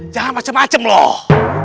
jangan macem macem loh